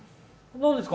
何ですか？